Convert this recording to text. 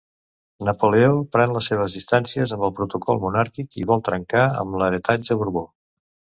Napoleó pren les seves distàncies amb el protocol monàrquic i vol trencar amb l'heretatge Borbó.